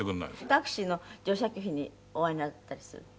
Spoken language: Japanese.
タクシーの乗車拒否にお遭いになったりするの？